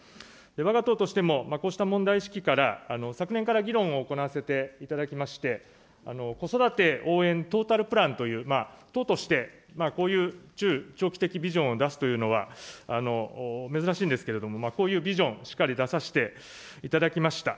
わが党としてもこうした問題意識から、昨年から議論を行わせていただきまして、子育て応援トータルプランという、党として、こういう中長期的ビジョンを出すというのは、珍しいんですけど、こういうビジョン、しっかり出させていただきました。